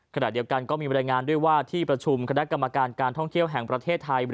ขณะเดียวกันก็มีบรรยายงานด้วยว่าที่ประชุมคณะกรรมการการท่องเที่ยวแห่งประเทศไทย